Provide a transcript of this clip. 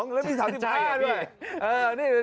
แล้วมี๓๕ด้วย